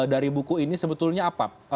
dari buku ini sebetulnya apa